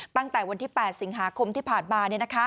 ตั้งแต่วันที่๘ส๓คมที่ผ่านบ้าน